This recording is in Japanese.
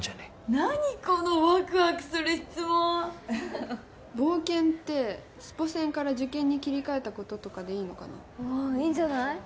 何このわくわくする質問冒険ってスポ薦から受験に切り替えたこととかでいいのかなああいいんじゃない？